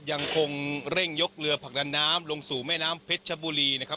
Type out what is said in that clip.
ยังคงเร่งยกเรือผลักดันน้ำลงสู่แม่น้ำเพชรชบุรีนะครับ